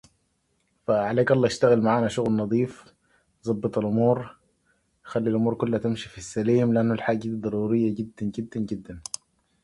Zahir was commissioned in the Artillery Corps of the Pakistan Army in August.